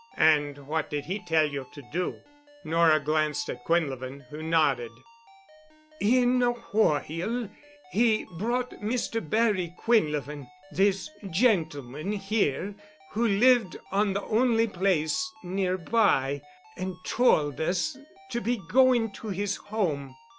"And what did he tell you to do?" Nora glanced at Quinlevin, who nodded. "In a whoile he brought Mr. Barry Quinlevin—this gentleman here—who lived on the only place nearby, and tould us to be going to his home.